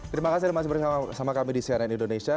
terima kasih sudah bersama kami di hacianen indonesia